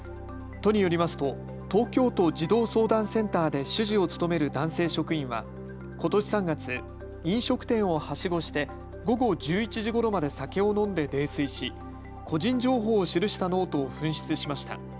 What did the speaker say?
都によりますと東京都児童相談センターで主事を務める男性職員はことし３月末、飲食店をはしごして午後１１時ごろまで酒を飲んで泥酔し個人情報を記したノートを紛失しました。